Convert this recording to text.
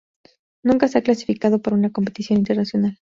Nunca se ha clasificado para una competición internacional.